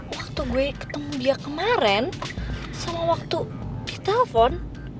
waktu gue ketemu dia kemarin sama waktu di telpon